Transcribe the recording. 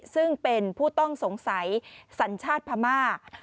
ซึ่งเป็นผู้ต้องสงสัยสัญชาติพม่า